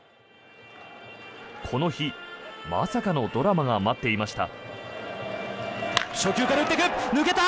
この日、まさかのドラマが待っていました。